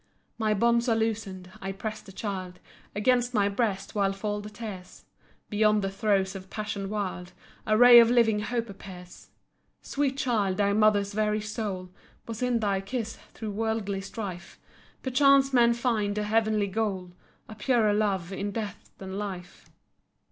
My bonds are loosed; I press the child Against my breast while fall the tears; Beyond the throes of passion wild A ray of living hope appears. Sweet child, thy mother's very soul Was in that kiss. Through worldly strife Perchance men find a Heavenly goal, A purer love in death than life.